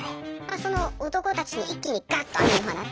その男たちに一気にガッと網を放って。